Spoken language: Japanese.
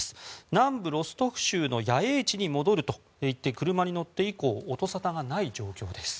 南部ロストフ州の野営地に戻ると言って車に乗って以降音沙汰がない状況です。